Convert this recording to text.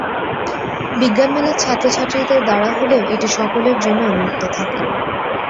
বিজ্ঞান মেলা ছাত্রছাত্রীদের দ্বারা হলেও এটি সকলের জন্য উন্মোক্ত থাকে।